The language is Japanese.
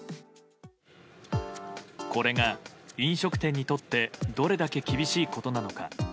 これが、飲食店にとってどれだけ厳しいことなのか。